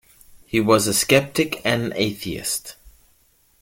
He was a sceptic and an atheist.